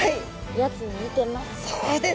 やつに似てます。